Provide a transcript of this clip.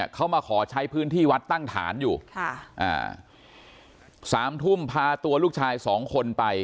เขามาขอใช้พื้นที่วัดตั้งถานอยู่๓ทุ่มพาตัวลูกชาย๒คนไป